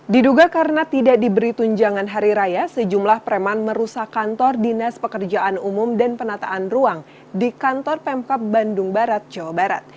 diduga karena tidak diberi tunjangan hari raya sejumlah preman merusak kantor dinas pekerjaan umum dan penataan ruang di kantor pemkap bandung barat jawa barat